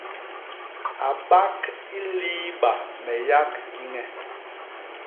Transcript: A bak i liiba me yak kiñe.